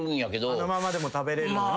あのままでも食べれるのに。